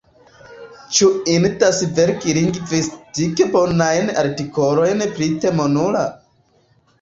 Ĉu indas verki lingvistike bonajn artikolojn pri temo nula?